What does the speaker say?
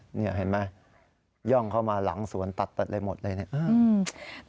เห็นไหมย่องเข้ามาหลังสวนตัดตัดอะไรหมดเลยเนี่ย